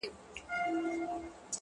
ه زه تر دې کلامه پوري پاته نه سوم،